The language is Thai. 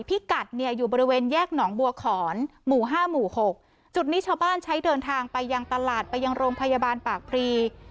พี่กัดเนี่ยอยู่บริเวณแยกหนองบัวขอนหมู่ห้าหมู่หกจุดนี้ชาวบ้านใช้เดินทางไปยังตลาดไปยังโรงพยาบาลปากพรี